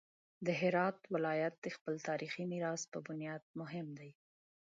د هرات ولایت د خپل تاریخي میراث په بنیاد مهم دی.